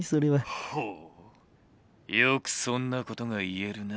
「ほうよくそんなことが言えるな」。